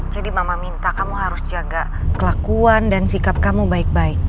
jadi mama minta kamu harus jaga kelakuan dan sikap kamu baik baik